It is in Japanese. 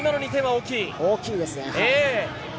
大きいですね。